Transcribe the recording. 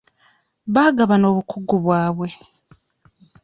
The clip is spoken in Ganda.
Baagabana obukugu bwabwe.